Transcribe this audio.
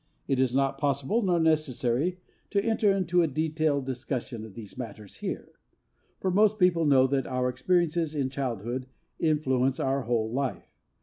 It is not possible, nor necessary, to enter into a detailed discussion of these matters here. For most people know that our experiences in childhood influence our whole life.